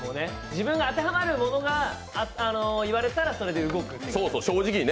自分が当てはまるものを言われたらそれで動くという。